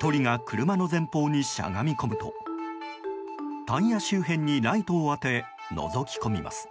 １人が車の前方にしゃがみ込むとタイヤ周辺にライトを当てのぞき込みます。